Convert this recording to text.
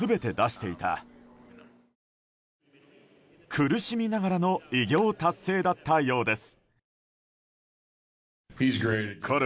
苦しみながらの偉業達成だったようです。